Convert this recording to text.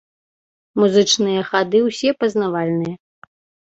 Музычныя хады ўсе пазнавальныя.